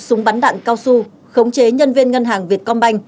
súng bắn đạn cao su khống chế nhân viên ngân hàng việt công banh